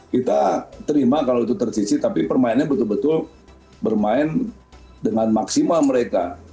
kita terima kalau itu tercici tapi permainnya betul betul bermain dengan maksimal mereka